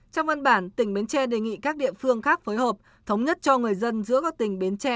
trong văn bản tỉnh bến tre đề nghị các địa phương khác phối hợp thống nhất cho người dân giữa các tỉnh bến tre